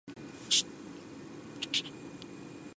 In the end, Moschen did attend the festival.